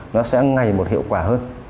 nó sẽ ngày một hiệu quả hơn